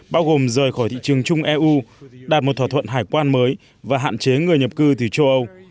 bao gồm rời khỏi thị trường chung eu đạt một thỏa thuận hải quan mới và hạn chế người nhập cư từ châu âu